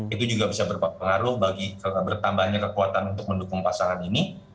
itu juga bisa berpengaruh bagi bertambahnya kekuatan untuk mendukung pasangan ini